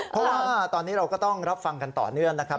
เพราะว่าตอนนี้เราก็ต้องรับฟังกันต่อเนื่องนะครับ